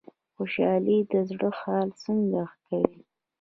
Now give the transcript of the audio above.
خوشحالي د زړه حال څنګه ښه کوي؟